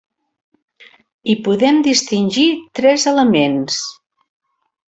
Hi podem distingir tres elements.